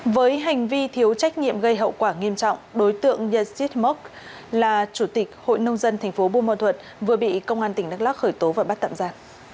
với hành vi thiếu trách nhiệm gây hậu quả nghiêm trọng đối tượng yassid mok là chủ tịch hội nông dân tp buôn mò thuận vừa bị công an tỉnh đắk lắk khởi tố và bắt tậm ra